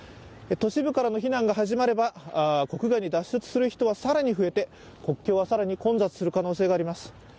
都市部からの避難が始まれば国外に脱出する人は更に増えて国境は更に混雑する可能性があります。